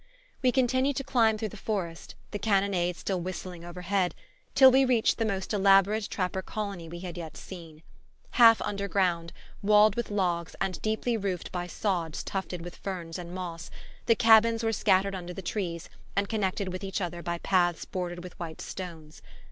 We continued to climb through the forest, the cannonade still whistling overhead, till we reached the most elaborate trapper colony we had yet seen. Half underground, walled with logs, and deeply roofed by sods tufted with ferns and moss, the cabins were scattered under the trees and connected with each other by paths bordered with white stones.